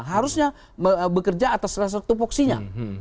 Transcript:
harusnya bekerja atas rasa tupok sinya